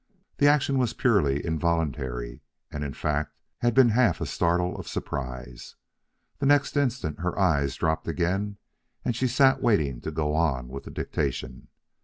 The action was purely involuntary, and, in fact, had been half a startle of surprise. The next instant her eyes had dropped again, and she sat waiting to go on with the dictation.